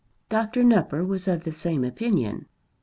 Dr. Nupper was of the same opinion.